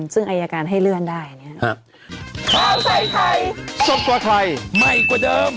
ซึ่งไออาการให้เลื่อนได้อ่ะครับ